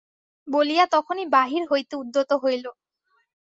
বলিয়া তখনই বাহির হইতে উদ্যত হইল।